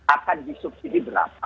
akan disubsidi berapa